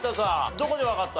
どこでわかった？